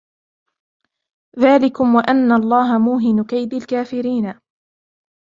ذَلِكُمْ وَأَنَّ اللَّهَ مُوهِنُ كَيْدِ الْكَافِرِينَ